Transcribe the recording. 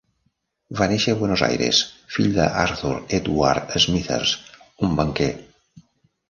Va néixer a Buenos Aires, fill d'Arthur Edward Smithers, un banquer.